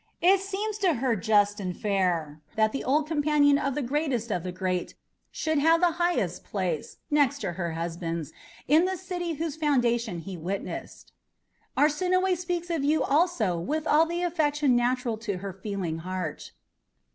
It seems to her just and fair that the old companion of the greatest of the great should have the highest place, next to her husband's, in the city whose foundation he witnessed. Arsinoe speaks of you also with all the affection natural to her feeling heart."